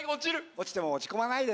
落ちても落ち込まないでね。